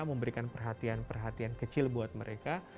memberikan perhatian perhatian kecil buat mereka